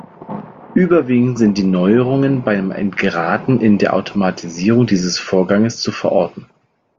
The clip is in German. Überwiegend sind die Neuerungen beim Entgraten in der Automatisierung dieses Vorganges zu verorten.